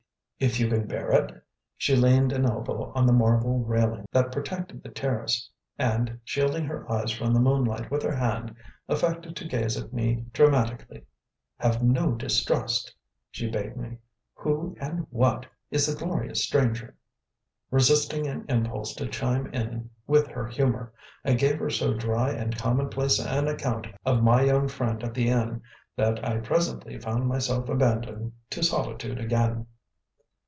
"If you can bear it?" She leaned an elbow on the marble railing that protected the terrace, and, shielding her eyes from the moonlight with her hand, affected to gaze at me dramatically. "Have no distrust," she bade me. "Who and WHAT is the glorious stranger?" Resisting an impulse to chime in with her humour, I gave her so dry and commonplace an account of my young friend at the inn that I presently found myself abandoned to solitude again.